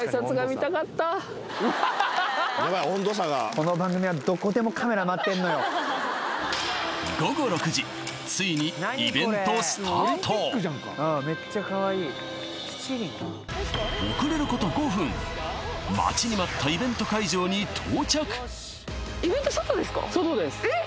この番組は午後６時ついにイベントスタート遅れること５分待ちに待ったイベント会場に到着えっ？